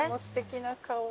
すてきな顔。